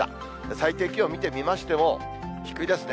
最低気温を見てみましても、低いですね。